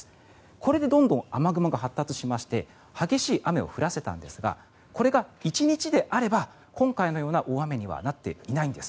これでどんどん雨雲が発達しまして激しい雨を降らしたんですがこれが１日であれば今回のような大雨にはなっていないんです。